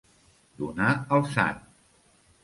Donar el sant.